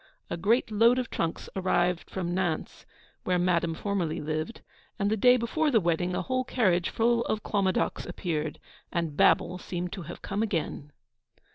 A great load of trunks arrived from Nantes, where Madame formerly lived; and the day before the wedding a whole carriage full of Clomadocs appeared, and Babel seemed to have come again.